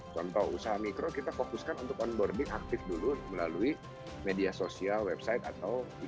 contoh usaha mikro kita fokuskan untuk onboarding aktif dulu melalui media sosial website atau instagra